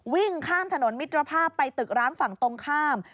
วิ่งข้ามถนนมิตรภาพไปตึกร้างฝั่งตรงข้าม